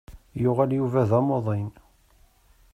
Yuɣal Yuba d amuḍin.